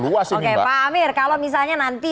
luas ini mbak oke pak amir kalau misalnya nanti